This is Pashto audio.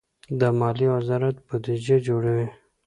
مالیې وزارت بودجه جوړوي